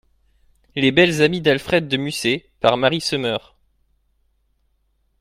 Les belles amies d'Alfred de Musset, par Mary Summer.